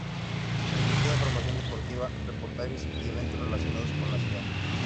Emitía información deportiva, reportajes y eventos relacionados con la ciudad.